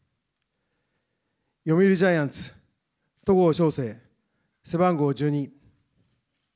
読売ジャイアンツ、戸郷翔征、背番号１２。